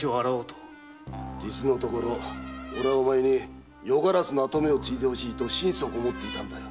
実のところ俺はお前に夜鴉の跡目を継いでほしいと心底思っていたんだよ。